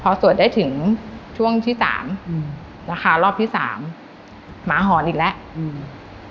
พอสวดได้ถึงช่วงที่สามอืมราคารอบที่สามหมาหอนอีกแล้วอืม